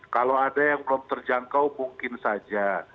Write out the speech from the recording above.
kalau ada yang belum terjangkau mungkin saja